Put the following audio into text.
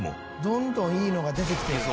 「どんどんいいのが出てきてる」